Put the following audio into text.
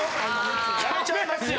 辞めちゃいますよ。